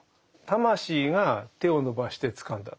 魂が手を伸ばしてつかんだ。